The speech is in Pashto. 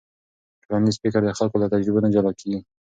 ټولنیز فکر د خلکو له تجربو نه جلا کېږي.